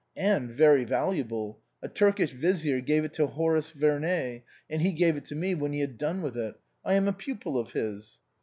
" And very valuable. A Turkish vizier gave it to Horace Vernct, and he gave it to me when he had done with it. I am a pupil of his."